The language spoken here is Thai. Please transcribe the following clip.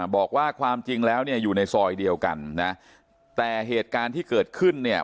บอกว่าความจริงแล้วเนี่ยอยู่ในซอยเดียวกันนะแต่เหตุการณ์ที่เกิดขึ้นเนี่ย